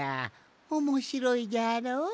おもしろいじゃろ？